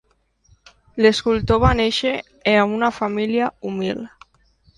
L'escultor va néixer a una família humil.